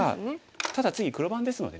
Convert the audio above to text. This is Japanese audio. ただ次黒番ですのでね。